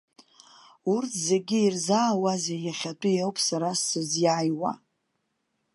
Урҭ зегьы ирзаауазеи, иахьатәи ауп сара сыззааиуа.